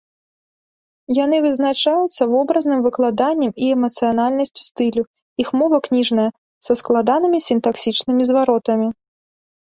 Яны вызначаюцца вобразным выкладаннем і эмацыянальнасцю стылю, іх мова кніжная, са складанымі сінтаксічнымі зваротамі.